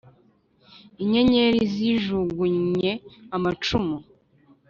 inyenyeri zijugunye amacumu,